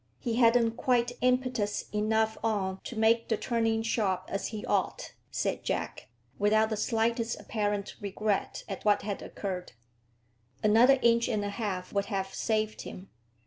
"He hadn't quite impetus enough on to make the turning sharp as he ought," said Jack, without the slightest apparent regret at what had occurred. "Another inch and a half would have saved him.